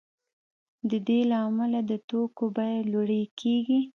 د دې له امله د توکو بیې لوړې کیږي